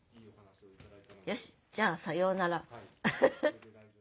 よしじゃあさようなら。